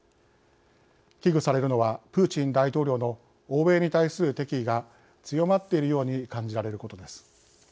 危惧されるのはプーチン大統領の欧米に対する敵意が強まっているように感じられることです。